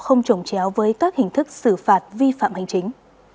không trồng chéo với các hình thức xử phạt vi phạm hành chính